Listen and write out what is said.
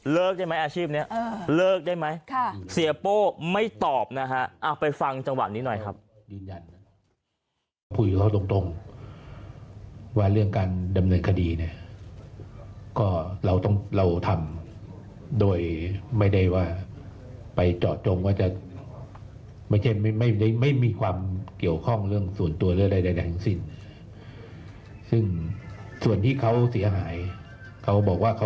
เลิกได้ไหมอาชีพเนี้ยเออเลิกได้ไหมค่ะเสียโป้ไม่ตอบนะคะ